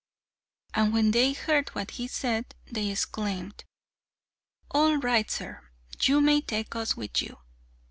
And when they heard what he said, they exclaimed, "All right, sir! You may take us with you."